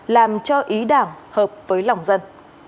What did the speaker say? làm cho ý đảng hợp với lòng dân